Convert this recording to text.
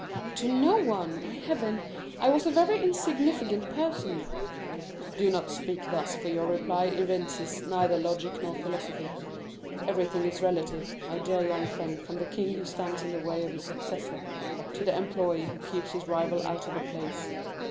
"To no one, by Heaven! I was a very insignificant person." "Do not speak thus, for your reply evinces neither logic nor philosophy; everything is relative, my dear young friend, from the king who stands in the way of his successor, to the employee who keeps his rival out of a place.